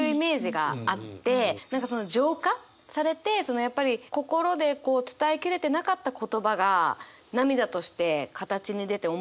何かその浄化されてやっぱり心で伝え切れてなかった言葉が涙として形に出て表に出てくる。